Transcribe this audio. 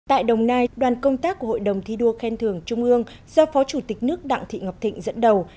tại đồng nai đoàn công tác của hội đồng thi đua khen thưởng trung ương do phó chủ tịch nước đặng thị ngọc thịnh dẫn đầu